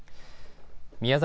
宮崎